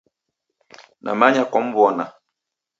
Namanya kwamw'ona.